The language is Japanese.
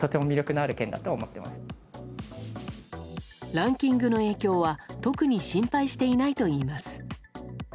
ランキングの影響は特に心配していないといいます。